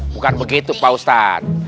bukan begitu pak ustadz